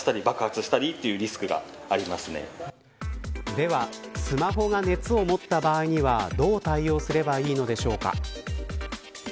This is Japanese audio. では、スマホが熱を持った場合にはどう対応すればいいのでしょうか。